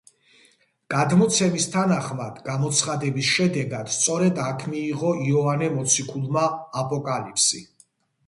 გადმოცემის თანახმად, გამოცხადების შედეგად, სწორედ აქ მიიღო იოანე მოციქულმა აპოკალიფსი.